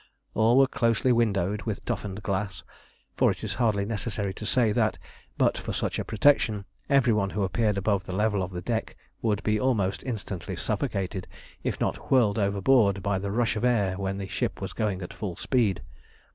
All were closely windowed with toughened glass, for it is hardly necessary to say that, but for such a protection, every one who appeared above the level of the deck would be almost instantly suffocated, if not whirled overboard, by the rush of air when the ship was going at full speed.